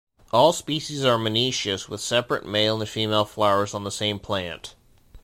All species are monoecious with separate male and female flowers on the same plant.